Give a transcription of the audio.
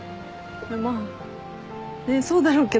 まあそうだろうけど。